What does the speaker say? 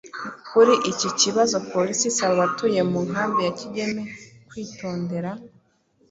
Kuri iki kibazo polisi isaba abatuye mu nkambi ya Kigeme kwitodera